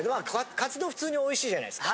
カツ丼普通においしいじゃないですか。